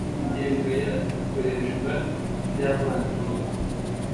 ingingo ya ikoreshwa ry amazi mu ngo